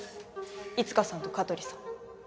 いつかさんと香取さん。